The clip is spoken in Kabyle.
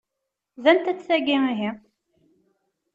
D anta-tt tagi ihi?